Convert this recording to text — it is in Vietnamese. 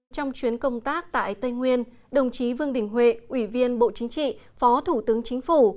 trong chuyến công tác tại tây nguyên đồng chí vương đình huệ ủy viên bộ chính trị phó thủ tướng chính phủ